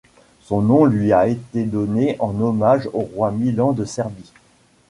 Son nom lui a été donné en hommage au roi Milan de Serbie.